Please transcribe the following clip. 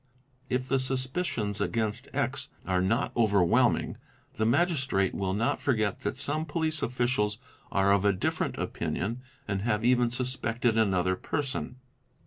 If the suspicions against X are not overwhelming, the Magistrate will not forget that some police officials are of a different opinion and have even suspected another person.